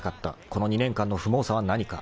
［この２年間の不毛さは何か？